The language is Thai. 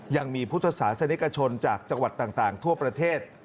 ยังมีพุทธศาสนิกชนจากจังหวัดต่างทั่วประเทศ